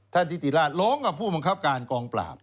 ทิติราชร้องกับผู้บังคับการกองปราบ